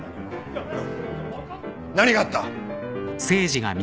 何があった？